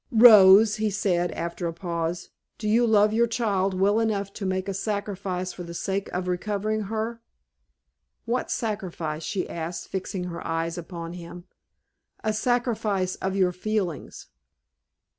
"Rose," he said, after a pause. "Do you love your child well enough to make a sacrifice for the sake of recovering her?" "What sacrifice?" she asked, fixing her eyes upon him. "A sacrifice of your feelings."